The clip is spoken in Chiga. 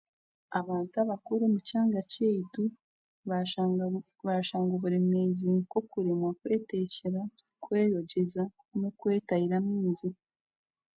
Abantu abakuru omu kyanga kyeitu barashanga oburemezi nk'okuremwa kwetekyera, kweyogeza n'okwetayira amaizi.